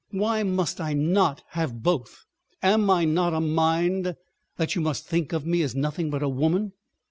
Why must I not have both? Am I not a mind that you must think of me as nothing but a woman?